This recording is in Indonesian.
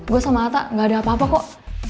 gue sama atta gak ada apa apa kok